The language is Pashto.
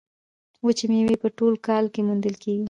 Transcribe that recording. وچې میوې په ټول کال کې موندل کیږي.